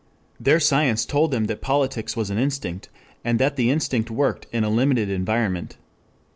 Their science told them that politics was an instinct, and that the instinct worked in a limited environment.